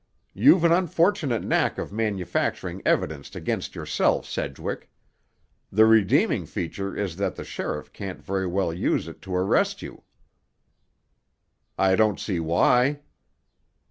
You've an unfortunate knack of manufacturing evidence against yourself, Sedgwick. The redeeming feature is that the sheriff can't very well use it to arrest you." "I don't see why."